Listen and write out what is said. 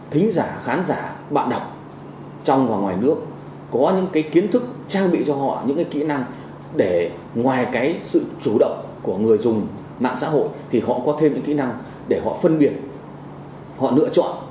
thí khán giả bạn đọc trong và ngoài nước có những kiến thức trang bị cho họ những kỹ năng để ngoài cái sự chủ động của người dùng mạng xã hội thì họ có thêm những kỹ năng để họ phân biệt họ lựa chọn